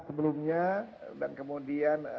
sebelumnya dan kemudian